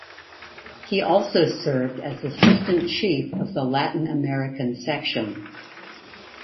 He also served as Assistant Chief of the Latin American Section.